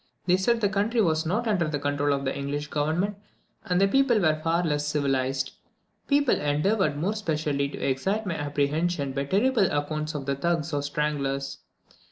They said the country was not under the control of the English government, and the people were far less civilized. People endeavoured more especially to excite my apprehension by terrible accounts of the Thugs or stranglers.